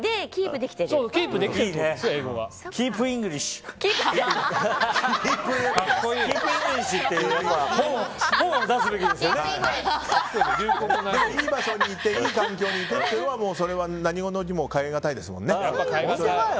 でも、いい場所に行っていい環境にいてというのはそれは何物にも代えがたいですもんね。